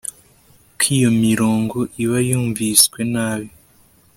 ko iyo mirongo iba yumviswe nabi